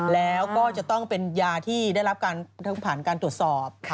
แล้วก็จะต้องเป็นยาที่ได้รับการผ่านการตรวจสอบ